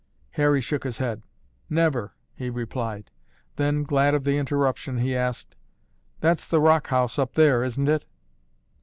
Harry shook his head. "Never!" he replied. Then, glad of the interruption, he asked, "That's the rock house, up there, isn't it?"